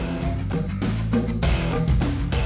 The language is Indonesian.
tepuk tangan buat bang edi